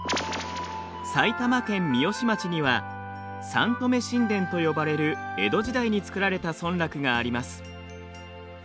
埼玉県三芳町には三富新田と呼ばれる江戸時代に造られた村落があります。